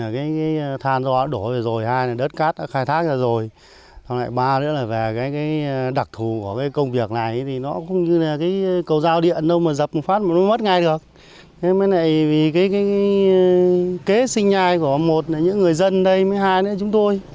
kế sinh nhai của một là những người dân đây với hai là chúng tôi đấy cũng rất khó khăn